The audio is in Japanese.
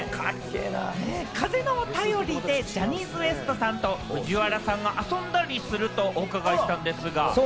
風の便りでジャニーズＷＥＳＴさんと藤原さんが遊んだりするとお伺いしたんですが。